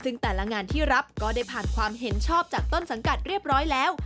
ซึ่งแต่ละงานที่รับก็ได้ผ่านความเห็นชอบจากต้นสังกัดเรียบร้อยแล้ว